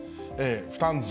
負担増？